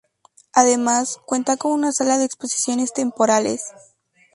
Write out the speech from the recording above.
Además, cuenta con una sala de exposiciones temporales.